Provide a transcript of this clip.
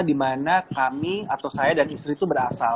dimana kami atau saya dan istri itu berasal